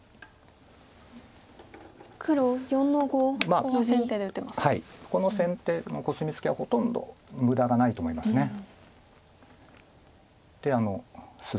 この先手のコスミツケはほとんど無駄がないと思います。